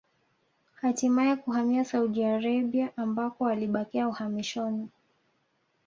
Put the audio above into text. Hatimae kuhamia Saudi Arabia ambako alibakia uhamishoni